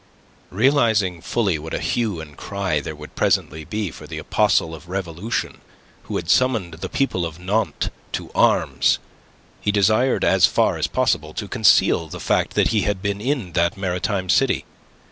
Realizing fully what a hue and cry there would presently be for the apostle of revolution who had summoned the people of Nantes to arms, he desired as far as possible to conceal the fact that he had been in that maritime city.